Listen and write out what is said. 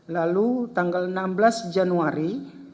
lalu tanggal enam belas januari dua ribu tujuh belas